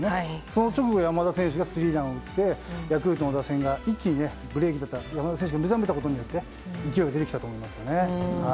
その直後、山田選手がスリーランを打ってヤクルトの打線が一気にブレーキだった山田選手が目覚めたことによって勢いが出てきたと思いますね。